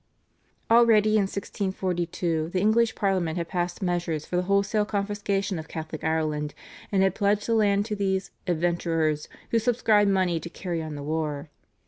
" Already in 1642 the English Parliament had passed measures for the wholesale confiscation of Catholic Ireland, and had pledged the land to these "adventurers" who subscribed money to carry on the war.